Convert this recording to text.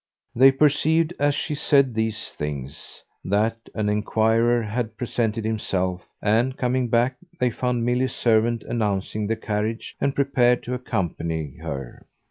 They perceived, as she said these things, that an enquirer had presented himself, and, coming back, they found Milly's servant announcing the carriage and prepared to accompany her.